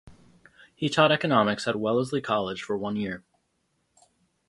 He taught economics at Wellesley College for one year.